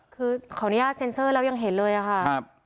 คือขออนุญาตเซ็นเซอร์แล้วยังเห็นเลยอะค่ะ